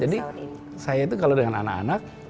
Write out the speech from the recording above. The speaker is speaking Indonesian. jadi saya itu kalau dengan anak anak